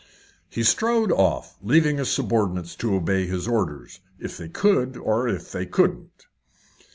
He strode off, leaving his subordinates to obey his orders if they could, or if they couldn't.